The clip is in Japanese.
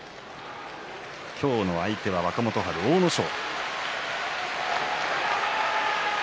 今日の相手は若元春、阿武咲。